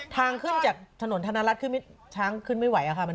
ทางขึ้นจากถนนธนรัฐขึ้นไม่ไหวค่ะ